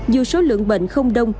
dù số lượng bệnh không đông